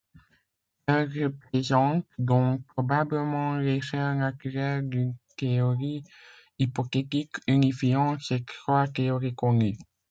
Elle représente donc probablement l'échelle naturelle d'une théorie hypothétique unifiant ces trois théories connues.